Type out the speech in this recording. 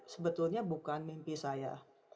sebetulnya bukan mimpi saya